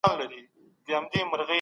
ژوند يې يو قدم سو